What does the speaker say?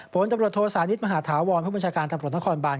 ผลตำรวจโทษานิทมหาธาวรผู้บัญชาการตำรวจนครบาน